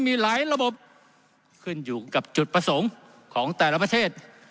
มีหลายระบบขึ้นอยู่กับจุดประสงค์ของแต่ละประเทศ